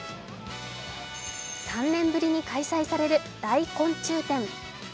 ３年ぶりに開催される大昆虫展。